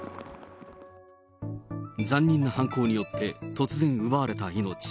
残忍な犯行によって突然奪われた命。